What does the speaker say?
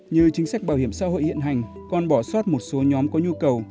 như chính sách bảo hiểm xã hội hiện hành còn bỏ sót một số nhóm có nhu cầu